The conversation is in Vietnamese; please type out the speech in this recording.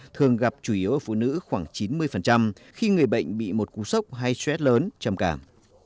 thường gặp chủ yếu ở phụ nữ khoảng chín mươi khi người bệnh bị một cú sốc hay stress lớn trầm cảm